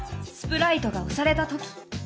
「スプライトが押されたとき」。